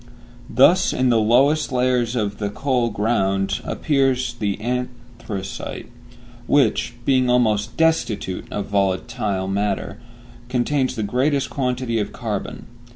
Thus in the lowest layers of the coal ground appears the anthracite, which, being almost destitute of volatile matter, contains the greatest quantity of carbon.